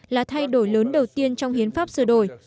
là thay đổi lớn đầu tiên trong hiến pháp sửa đổi